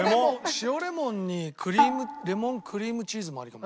塩レモンにレモンクリームチーズもありかもね。